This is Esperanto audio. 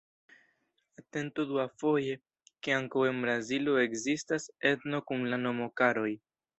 Atentu duafoje, ke ankaŭ en Brazilo ekzistas etno kun la nomo "Karoj".